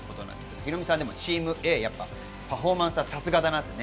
ヒロミさん、ＴｅａｍＡ、パフォーマンスはさすがだなってね。